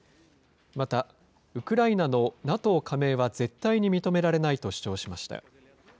また、ウクライナのＮＡＴＯ加盟は絶対に認められないと主張しました。